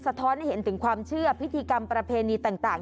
ท้อนให้เห็นถึงความเชื่อพิธีกรรมประเพณีต่าง